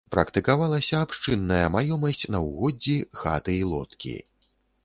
Практыкавалася абшчынная маёмасць на ўгоддзі, хаты і лодкі.